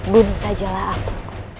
bunuh sajalah aku